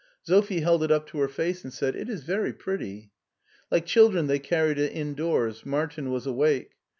Sophie held it up to her face and said :" It is very pretty." Like children they carried it indoors. Martin was awake.